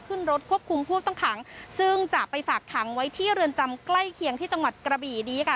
ขึ้นรถควบคุมผู้ต้องขังซึ่งจะไปฝากขังไว้ที่เรือนจำใกล้เคียงที่จังหวัดกระบี่นี้ค่ะ